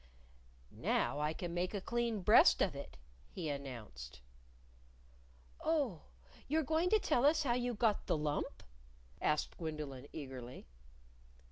"Now I can make a clean breast of it," he announced. "Oh, you're going to tell us how you got the lump?" asked Gwendolyn, eagerly.